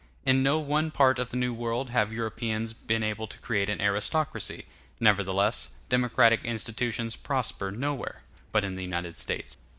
In no one part of the New World have Europeans been able to create an aristocracy. Nevertheless, democratic institutions prosper nowhere but in the United States.